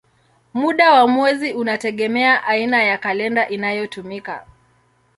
Muda wa mwezi unategemea aina ya kalenda inayotumika.